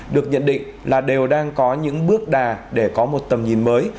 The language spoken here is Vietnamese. được nhận định là đều đang có những bước đà để có một tầm nhìn mới